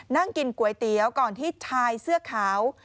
นั่งกินก๋วยเตี๋ยวก่อนที่ชายเสื้อขาว